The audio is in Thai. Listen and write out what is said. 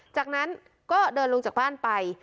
จากนั้นก็เดินลงจากบ้านไป